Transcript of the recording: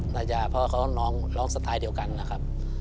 ยายาพ่อเขาน้องร้องสไตล์เดียวกันนะครับ